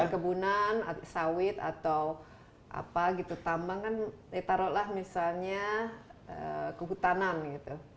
perkebunan sawit atau apa gitu tambang kan ya taruhlah misalnya kehutanan gitu